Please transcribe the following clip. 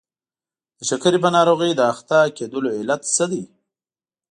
د شکرې په ناروغۍ د اخته کېدلو علت څه دی؟